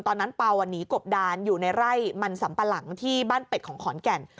เปล่าหนีกบดานอยู่ในไร่มันสัมปะหลังที่บ้านเป็ดของขอนแก่น